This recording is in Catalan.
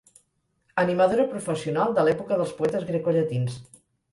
Animadora professional de l'època dels poetes grecollatins.